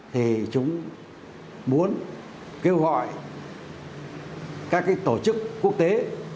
thì chúng muốn kêu gọi các tổ chức quốc tế